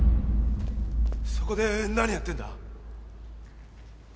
そこで何やってんだ？